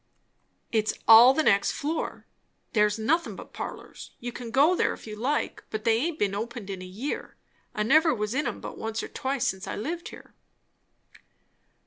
"It's all the next floor. There's nothin' but parlours. You can go there if you like; but they aint been opened in a year. I never was in 'em but once or twice since I lived here."